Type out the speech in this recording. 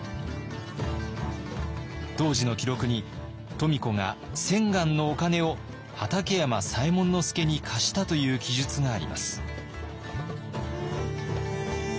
当時の記録に「富子が千貫のお金を畠山左衛門佐に貸した」という記述があります。